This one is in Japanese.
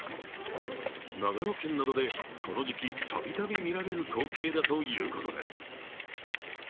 長野県などでこの時期度々見られる光景だということです。